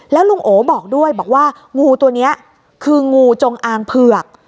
แล้วลุงโอบอกด้วยบอกว่างูตัวนี้คืองูจงอางเผือก